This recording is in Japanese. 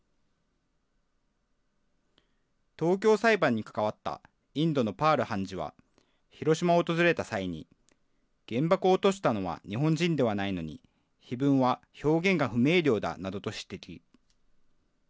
東京裁判に関わったインドのパール判事は、広島を訪れた際に、原爆を落としたのは日本人ではないのに、碑文は表現が不明瞭だなどと指摘。